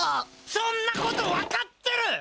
そんなこと分かってる！